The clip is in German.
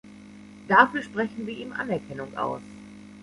Dafür sprechen wir ihm Anerkennung aus.